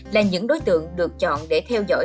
là những đối tượng được chọn để theo dõi